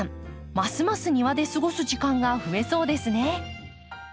ますます庭で過ごす時間が増えそうですね。